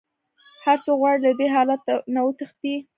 هر څوک غواړي له دې حالت نه وتښتي.